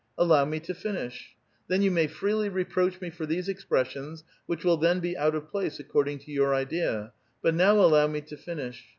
Allow me to finish. Then you may fnely re proach me for these expressions, which will then be out of place according to your idea; but now allow me to finish.